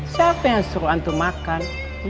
siapa yang suruh antu makan